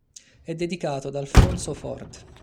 È dedicato ad Alphonso Ford.